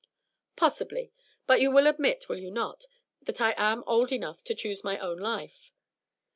"Possibly. But you will admit, will you not, that I am old enough to choose my own life?"